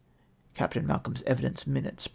(Capt. Malcolm's evidence, Minutes, pp.